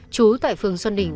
chú tại phường xuân đình